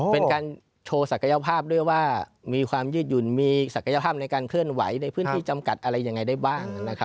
เป็นการโชว์ศักยภาพด้วยว่ามีความยืดหยุ่นมีศักยภาพในการเคลื่อนไหวในพื้นที่จำกัดอะไรยังไงได้บ้างนะครับ